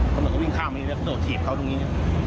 เขาหนึ่งก็วิ่งข้ามมานี่แล้วก็โดดถีบเขาตรงนี้